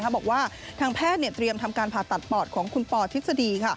บอกว่าทางแพทย์เตรียมทำการผ่าตัดปอดของคุณปอทฤษฎี